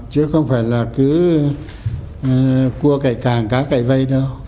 chứ không phải là cứ cua cậy càng cá cậy vây đâu